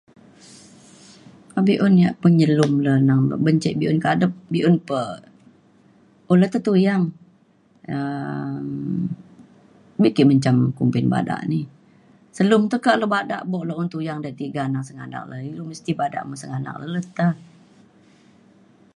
be’un le penyelum le neng ban ce be’un kadep be’un pe un le te tuyang um] be ke menjam kumbin bada ni. selum tekak lu bada buk lu un tuyang de tiga ngan sengganak le ilu mesti bada ngan sengganak le le te.